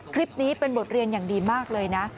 คลิปนี้เป็นบทเรียนอย่างดีมากเลยนะ